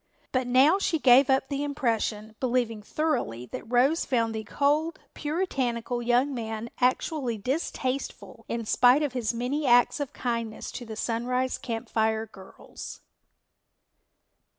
But now she gave up the impression, believing thoroughly that Rose found the cold, puritanical young man actually distasteful in spite of his many acts of kindness to the Sunrise Camp Fire girls.